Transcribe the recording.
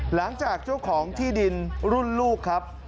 หลังจากเจ้าของที่ดินรุ่นลูกครับ